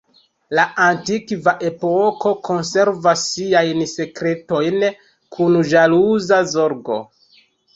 La antikva epoko konservas siajn sekretojn kun ĵaluza zorgo.